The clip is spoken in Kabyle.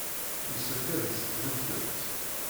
Yessefk ad as-tbeddemt.